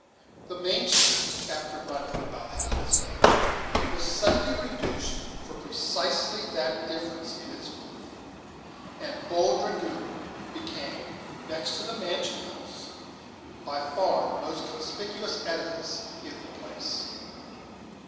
The main street, after running about half its length, was suddenly reduced for precisely that difference in its width; and "Bold Dragoon" became, next to the mansion house, by far the most conspicuous edifice in the place.